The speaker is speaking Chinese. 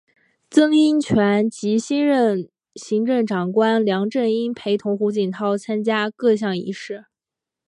曾荫权及新任行政长官梁振英陪同胡锦涛参加各项仪式。